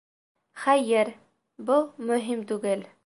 Хәйер, был мөһим түгел.